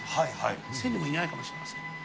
１０００人もいないかもしれません。